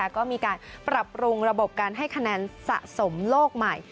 ก็มีการปรับปรุงระบบการให้คะแนนสะสมโลกใหม่